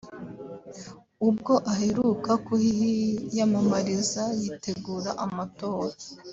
ubwo aheruka kuhiyamamariza yitegura amatora